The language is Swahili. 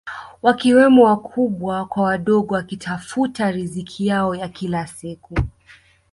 Wakiwemo wakubwa kwa wadogo wakitafuta riziki yao ya kila siku